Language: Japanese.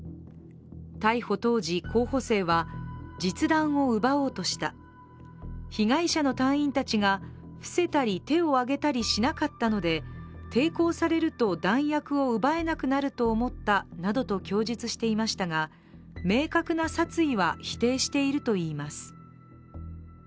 逮捕当時、候補生は実弾を奪おうとした、被害者の隊員たちが、伏せたり、手を上げたりしなかったので抵抗されると弾薬を奪えなくなると思ったなどと供述していましたが明確な殺意は否定しているといいます。